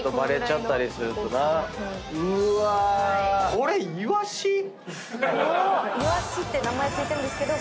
これイワシ⁉イワシって名前付いてるんですけど